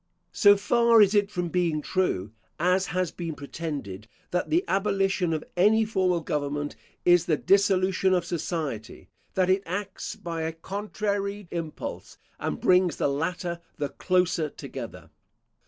So far is it from being true, as has been pretended, that the abolition of any formal government is the dissolution of society, that it acts by a contrary impulse, and brings the latter the closer together.